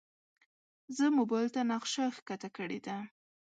زه موبایل ته نقشه ښکته کړې ده.